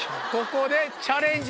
ここで。